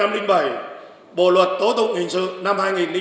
bộ luật tố tụng hình sự năm hai nghìn ba